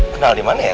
kenal dimana ya